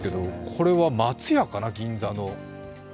これは松屋かな、銀座の。